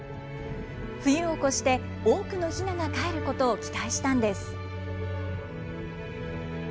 冬を越して、多くのひながかえることを期待したんです。